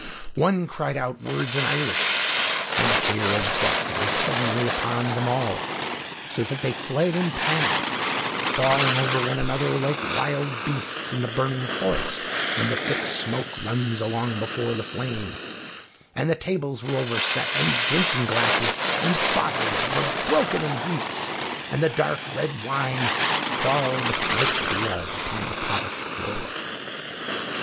One cried out words in Irish, and the fear of death was suddenly upon them all, so that they fled in panic, falling over one another like wild beasts in the burning forest, when the thick smoke runs along before the flame; and the tables were over set, and drinking glasses and bottles were broken in heaps, and the dark red wine crawled like blood upon the polished floor.